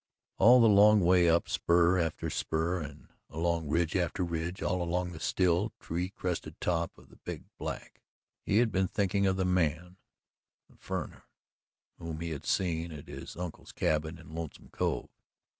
All the long way up spur after spur and along ridge after ridge, all along the still, tree crested top of the Big Black, he had been thinking of the man the "furriner" whom he had seen at his uncle's cabin in Lonesome Cove.